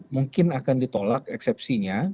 mungkin akan ditolak eksepsinya